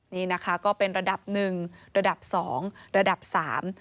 นี่นะคะก็เป็นระดับหนึ่งระดับสองระดับสาม